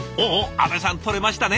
阿部さん撮れましたね。